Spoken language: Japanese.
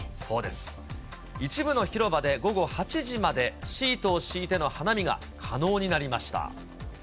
一部の広場で午後８時まで、シートを敷いての花見が可能になりました。